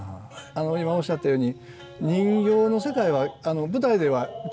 今おっしゃったように人形の世界は舞台では現実のまあ